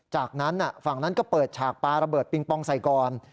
จากนั้นฝั่งนั้นก็เปิดฉากปลาระเบิดปิงปองใส่ก่อน